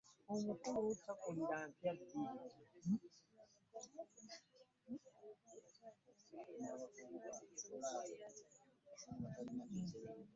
Njagala waakiri banzigyemu nabaana nneme kuzaala.